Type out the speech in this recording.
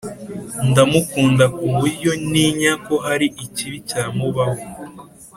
Ndamukunda kuburyo ninya ko hari ikibi cyamubaho